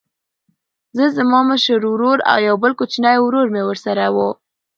زه زما مشر ورور او یو بل کوچنی ورور مې ورسره و